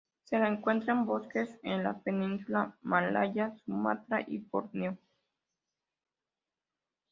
Se la encuentra en bosques en la península malaya, Sumatra y Borneo.